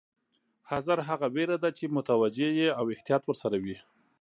حذر هغه وېره ده چې متوجه یې او احتیاط ورسره وي.